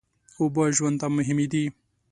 اوبه ژوند ته مهمې دي.